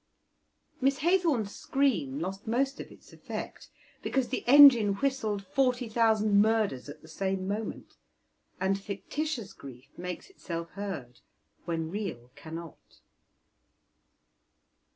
Miss Haythorn's scream lost most of its effect because the engine whistled forty thousand murders at the same moment, and fictitious grief makes itself heard when real cannot.